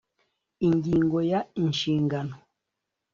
Ingingo ya inshingano